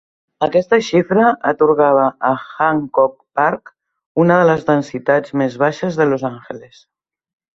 Aquesta xifra atorgava a Hancock Park una de les densitats més baixes de Los Angeles.